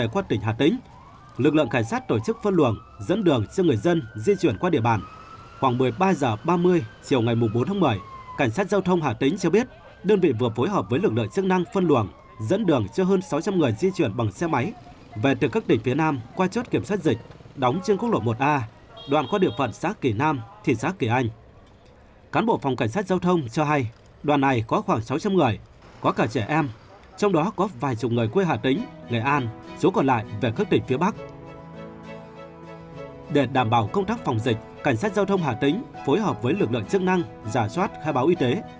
cảnh sát giao thông hà tĩnh phối hợp với lực lượng chức năng giả soát khai báo y tế